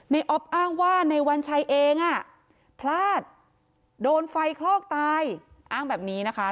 อ๊อฟอ้างว่าในวันชัยเองพลาดโดนไฟคลอกตายอ้างแบบนี้นะคะ